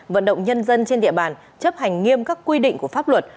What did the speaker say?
vận động nhân dân trên địa bàn chấp hành nghiêm các quy định của pháp luật